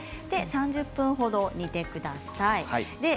３０分ほど煮てください。